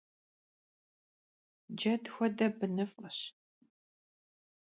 Ced xuede, bınıf'eş.